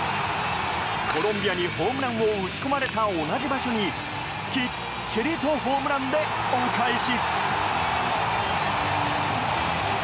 コロンビアに、ホームランを打ち込まれた同じ場所にきっちりとホームランでお返し！